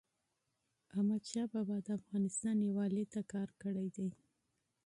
احمدشاه بابا د افغانستان یووالي ته کار کړی دی.